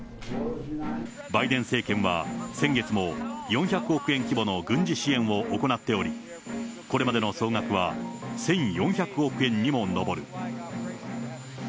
バイデン政権は、先月も４００億円規模の軍事支援を行っており、これまでの総額は１４００億円にも上る。